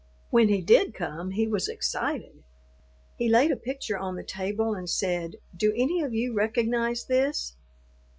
When he did come, he was excited; he laid a picture on the table and said, "Do any of you recognize this?"